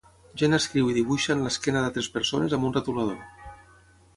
Gent escriu i dibuixa en la esquena d'altres persones amb un retolador.